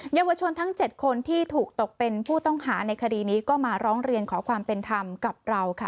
เยาวชนทั้ง๗คนที่ถูกตกเป็นผู้ต้องหาในคดีนี้ก็มาร้องเรียนขอความเป็นธรรมกับเราค่ะ